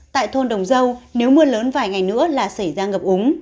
tại thôn đồng dâu nếu mưa lớn vài ngày nữa là xảy ra ngập úng